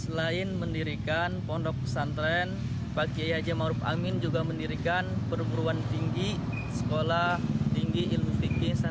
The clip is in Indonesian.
selain mendirikan pondok pesantren pak kiai haji ⁇ maruf ⁇ amin juga mendirikan perguruan tinggi sekolah tinggi ilmu fikih